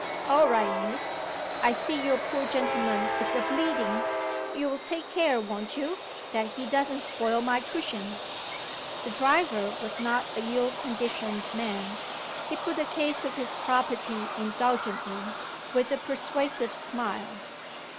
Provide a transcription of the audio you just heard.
"All right, Miss. I see your poor gentleman is a bleeding. You'll take care won't you? that he doesn't spoil my cushions." The driver was not a ill conditioned man; he put the case of his property indulgently, with a persuasive smile.